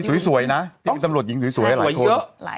ที่สวยที่มีทำรวจหญิงที่สวยหลายคน